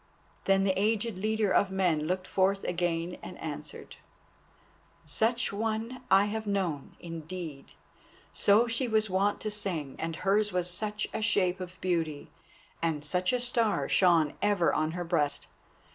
Then the aged leader of men looked forth again and answered: "Such a one have I known, indeed; so she was wont to sing, and hers was such a shape of beauty, and such a Star shone ever on her breast.